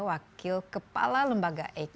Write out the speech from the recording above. wakil kepala lembaga covid sembilan belas